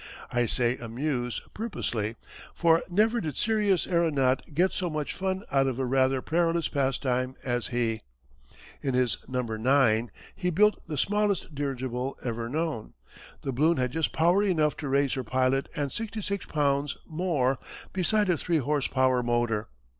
I say "amuse" purposely, for never did serious aeronaut get so much fun out of a rather perilous pastime as he. In his "No. IX." he built the smallest dirigible ever known. The balloon had just power enough to raise her pilot and sixty six pounds more beside a three horse power motor.